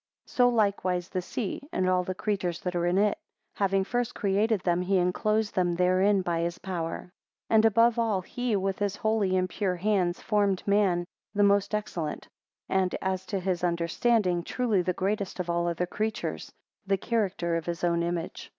6 So likewise the sea, and all the creatures that are in it; having first created them, he enclosed them therein by his power. 7 And above all, he with his holy and pure hands, formed man, the most excellent; and, as to his understanding, truly the greatest of all other creatures; the character of his own image.